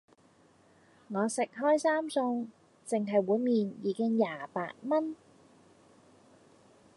我食開三餸,淨係碗麵已經廿八蚊